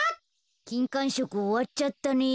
きんかんしょくおわっちゃったね。